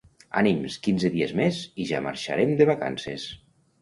Ànims, quinze dies més i ja marxarem de vacances!